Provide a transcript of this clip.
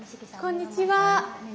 こんにちは。